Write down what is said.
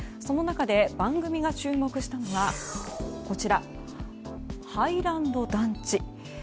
その中で番組が注目したのはハイランド団地。